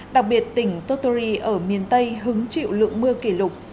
đặc biệt tỉnh toturi ở miền tây hứng chịu lượng mưa kỷ lục